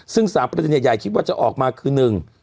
ซึ่งสามประเด็นใหญ่คิดว่าจะออกมาคือหนึ่ง